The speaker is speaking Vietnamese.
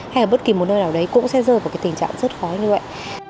hay ở bất kỳ một nơi nào đấy cũng sẽ rơi vào cái tình trạng rất khó như vậy